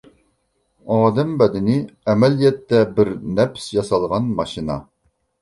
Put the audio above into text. ئادەم بەدىنى ئەمەلىيەتتە بىر نەپىس ياسالغان ماشىنا.